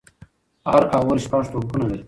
هر اوور شپږ توپونه لري.